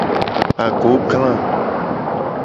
Agogla.